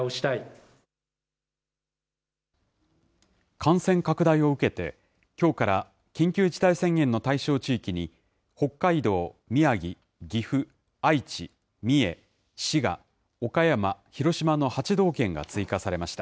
感染拡大を受けて、きょうから緊急事態宣言の対象地域に北海道、宮城、岐阜、愛知、三重、滋賀、岡山、広島の８道県が追加されました。